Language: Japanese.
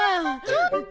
ちょっと！